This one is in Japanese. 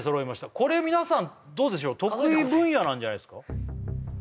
これ皆さんどうでしょう得意分野なんじゃないですか？